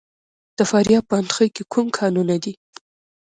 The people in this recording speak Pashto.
د فاریاب په اندخوی کې کوم کانونه دي؟